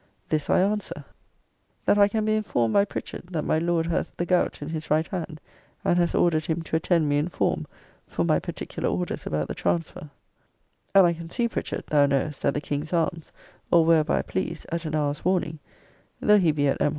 This I answer 'That I can be informed by Pritchard, that my Lord has the gout in his right hand; and has ordered him to attend me in form, for my particular orders about the transfer:' And I can see Pritchard, thou knowest, at the King's Arms, or wherever I please, at an hour's warning; though he be at M.